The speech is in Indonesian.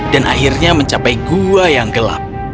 dan akhirnya mencapai gua yang gelap